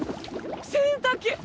洗濯機！